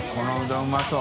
うまそう。